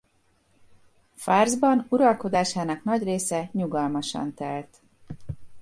Fárszban uralkodásának nagy része nyugalmasan telt.